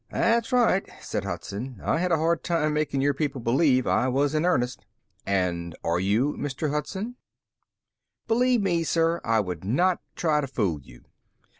"That's right," said Hudson. "I had a hard time making your people believe I was in earnest." "And are you, Mr. Hudson?" "Believe me, sir, I would not try to fool you."